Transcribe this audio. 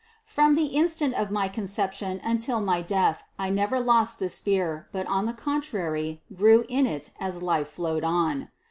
From the instant of my Conception until my death I never lost this fear, but on the contrary grew in it as life flowed on.